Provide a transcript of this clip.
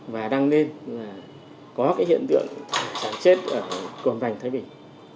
và đăng lên là có cái hiện tượng chết ở cồn vành thái bình